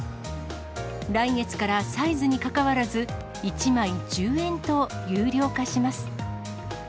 来月からサイズにかかわらず、１枚１０円と有料化します。